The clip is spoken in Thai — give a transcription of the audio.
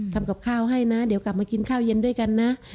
ทำกับข้าวให้นะเดี๋ยวกลับมากินข้าวเย็นด้วยกันนะ